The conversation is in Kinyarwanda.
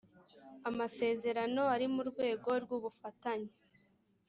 amsezerano ari mu rwego rw ubufatanye